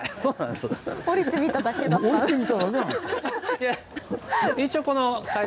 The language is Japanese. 下りてみただけだった。